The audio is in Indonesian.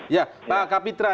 ya pak kapitra